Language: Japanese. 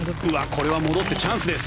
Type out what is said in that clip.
これは戻ってチャンスです。